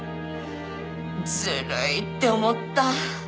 ずるいって思った。